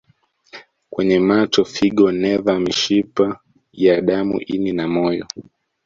kwenye macho figo neva mishipa ya damu ini na moyo